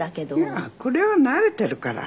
いやこれは慣れているから。